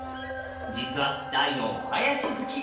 実は大のお囃子好き！